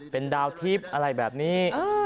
เป็นดาวทิพย์อะไรแบบนี้